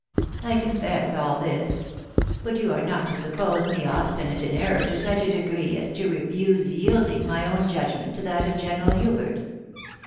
I confess all this. But you are not to suppose me obstinate in error to such a degree as to refuse yielding my own judg ment to that of General Hubert.